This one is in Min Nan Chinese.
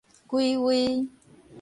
歸位